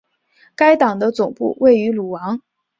该党的总部位于鲁昂。